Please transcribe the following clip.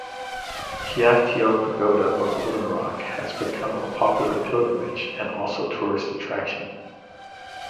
Kyaiktiyo Pagoda or Golden Rock has become a popular pilgrimage and also tourist attraction.